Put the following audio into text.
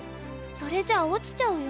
それじゃあ落ちちゃうよ。